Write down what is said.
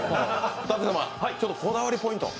舘様、こだわりポイントを。